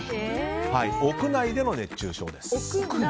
屋内での熱中症です。